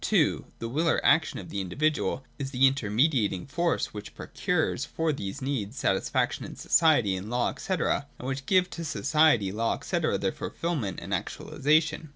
(2) The will or action of the individuals is the inter mediating force which procures for these needs satis faction in society, in law, &c., and which gives to society, law &c. their fulfilment and actualisation.